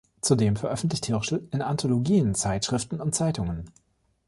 Zudem veröffentlicht Hirschl in Anthologien, Zeitschriften und Zeitungen.